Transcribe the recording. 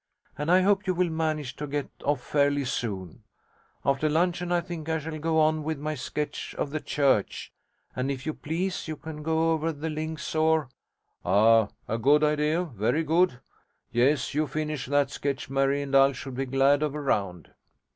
And I hope you will manage to get off fairly soon. After luncheon I think I shall go on with my sketch of the church; and if you please you can go over to the links, or ' 'Ah, a good idea very good! Yes, you finish that sketch, Mary, and I should be glad of a round.'